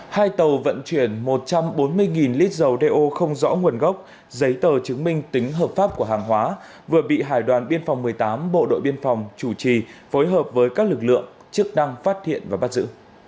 hai tàu vận chuyển một trăm bốn mươi lít dầu đeo không rõ nguồn gốc giấy tờ chứng minh tính hợp pháp của hàng hóa vừa bị hải đoàn biên phòng một mươi tám bộ đội biên phòng chủ trì phối hợp với các lực lượng chức năng phát hiện và bắt giữ